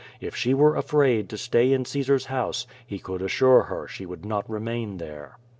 If she were afraid to stay in Caesar's house, he could assure her she would not remain there.